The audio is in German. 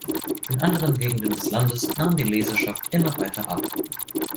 In anderen Gegenden des Landes nahm die Leserschaft immer weiter ab.